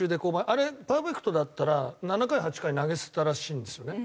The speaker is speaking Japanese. あれパーフェクトだったら７回８回投げさせたらしいんですよね